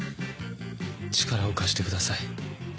力を貸してください。